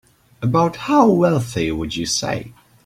About how wealthy would you say?